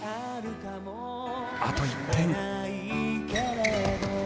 あと１点。